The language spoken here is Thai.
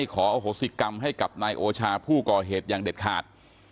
ขออโหสิกรรมให้กับนายโอชาผู้ก่อเหตุอย่างเด็ดขาด